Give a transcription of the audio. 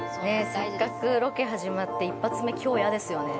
せっかくロケ始まって一発目凶、嫌ですよね。